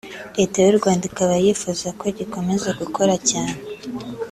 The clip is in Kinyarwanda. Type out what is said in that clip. Leta y’u Rwanda ikaba yifuza ko gikomeza gukora cyane